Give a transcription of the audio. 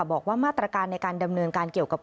บอกว่ามาตรการในการดำเนินการเกี่ยวกับ